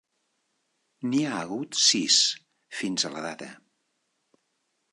N'hi ha hagut sis fins a la data.